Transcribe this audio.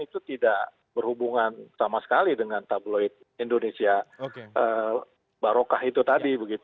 itu tidak berhubungan sama sekali dengan tabloid indonesia barokah itu tadi